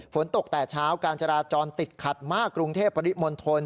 ฝนตกแต่เช้าการจราจรติดขัดมากกรุงเทพปริมณฑล